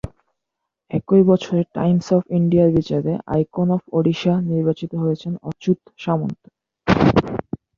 একই বছরে Times of ইন্ডিয়ার বিচারে ‘আইকন অব ওডিশা’ নির্বাচিত হন অচ্যুত সামন্ত।